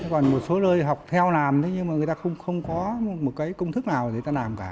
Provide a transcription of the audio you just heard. còn một số nơi học theo làm thế nhưng mà người ta không có một cái công thức nào để người ta làm cả